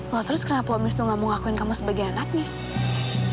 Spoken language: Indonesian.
wah terus kenapa omis tuh gak mau ngakuin kamu sebagai anaknya